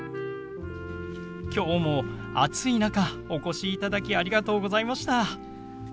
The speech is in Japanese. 今日も暑い中お越しいただきありがとうございました。